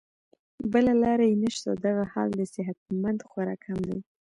بله لار ئې نشته او دغه حال د صحت مند خوراک هم دے